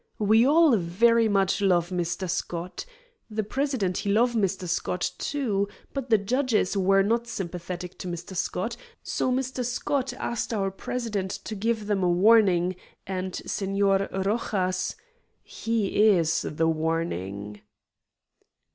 "We all very much love Mr. Scott. The president, he love Mr. Scott, too, but the judges were not sympathetic to Mr. Scott, so Mr. Scott asked our president to give them a warning, and Senor Rojas he is the warning."